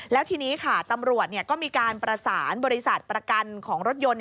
แล้วทีนี้ค่ะตำรวจก็มีการประสานบริษัทประกันของรถยนต์